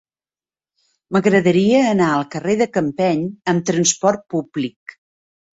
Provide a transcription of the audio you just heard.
M'agradaria anar al carrer de Campeny amb trasport públic.